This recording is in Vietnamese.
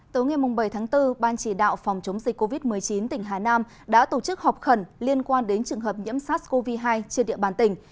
tối ngày bảy tháng bốn ban chỉ đạo phòng chống dịch covid một mươi chín tỉnh hà nam đã tổ chức họp khẩn liên quan đến trường hợp nhiễm sars cov hai trên địa bàn tỉnh